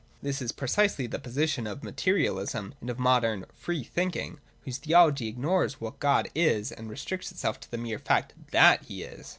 This is precisely the position of materialism, and of modern ' free thinking,' whose theology ignores what God is and restricts itself to the mere fact that He is.